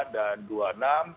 dua puluh lima dan dua puluh enam